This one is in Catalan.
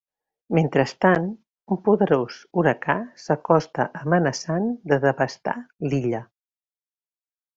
Mentrestant, un poderós huracà s’acosta amenaçant de devastar l’illa.